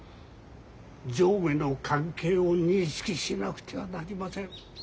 上下の関係を認識しなくてはなりません。